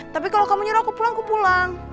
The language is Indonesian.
tapi kalau kamu nyuruh aku pulang ku pulang